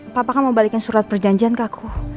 papa kan mau balikin surat perjanjian ke aku